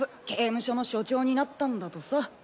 刑務所の所長になったんだとさ。